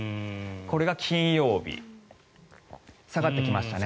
これが金曜日下がってきましたね。